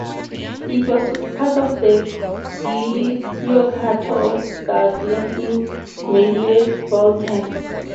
It was part of the Giudicato of Cagliari in medieval times.